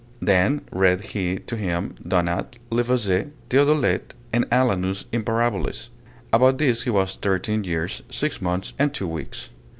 Then read he to him Donat, Le Facet, Theodolet, and Alanus in parabolis. About this he was thirteen years, six months, and two weeks.